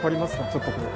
ちょっとこう。